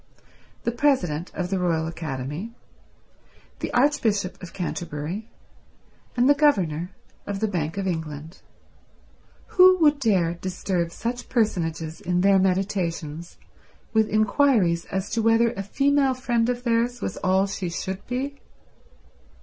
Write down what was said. The President of the Royal Academy, the Archbishop of Canterbury, and the Governor of the Bank of England—who would dare disturb such personages in their meditations with inquiries as to whether a female friend of theirs was all she should be?